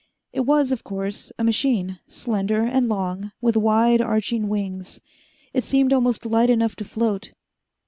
It was, of course, a machine, slender and long, with wide arching wings. It seemed almost light enough to float.